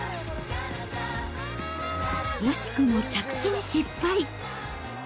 惜しくも着地に失敗。